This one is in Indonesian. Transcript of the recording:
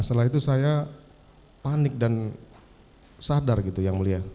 setelah itu saya panik dan sadar ya mulia